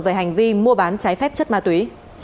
về hành vi mua bán trái phép chất ma túy